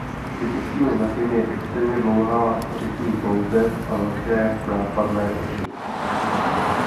Typickým znakem je extrémně dlouhá řitní ploutev a velké nápadné oči.